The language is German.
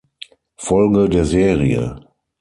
Folge der Serie.